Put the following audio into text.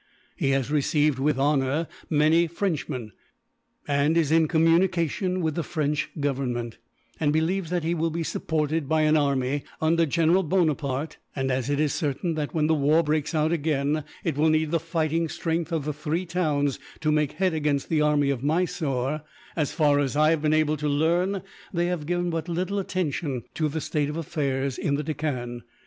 He has received with honour many Frenchmen, and is in communication with the French Government; and believes that he will be supported by an army, under General Bonaparte and, as it is certain that, when the war breaks out again, it will need the fighting strength of the three towns to make head against the army of Mysore, as far as I have been able to learn they have given but little attention to the state of affairs in the Deccan.